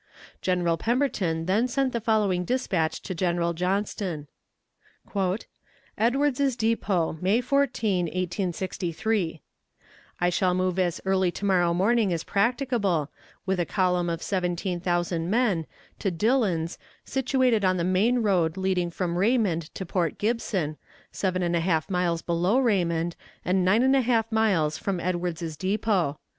General Pemberton then sent the following dispatch to General Johnston: EDWARDS'S DEPOT, May 14, 1863. "I shall move as early to morrow morning as practicable, with a column of seventeen thousand men, to Dillon's, situated on the main road leading from Raymond to Port Gibson, seven and a half miles below Raymond, and nine and a half miles from Edwards's Depot.